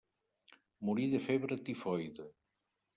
Morí de febre tifoide.